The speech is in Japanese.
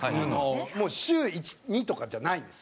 もう週１２とかじゃないんですよ。